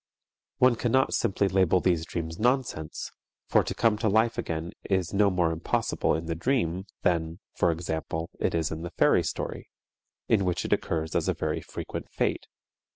One cannot simply label these dreams nonsense, for to come to life again is no more impossible in the dream than, for example, it is in the fairy story, in which it occurs as a very frequent fate.